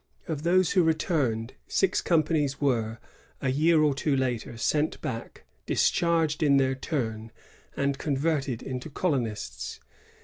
Of those who returned, six companies were a year or two later sent back, discharged in their turn, and converted into colonists.